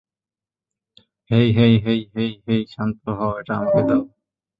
হেই, hey, hey, hey, hey শান্ত হও এটা আমাকে দাও।